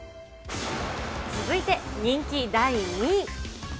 続いて、人気第２位。